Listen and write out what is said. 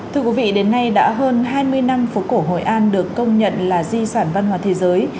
thưa quý vị đến nay đã hơn hai mươi năm phố cổ hội an được công nhận là di sản văn hóa thế giới